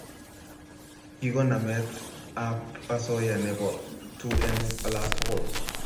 Ki ko Nametab osoya nebo tu eng olatugul